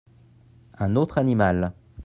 Un autre animal.